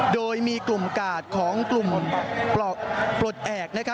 โดยมีกลุ่มกาดของกลุ่มปลดแอบ